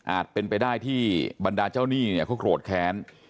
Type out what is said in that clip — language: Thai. เป็นไปได้ที่บรรดาเจ้าหนี้เนี่ยเขาโกรธแค้น